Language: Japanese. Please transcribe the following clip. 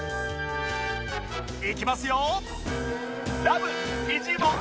いきますよ！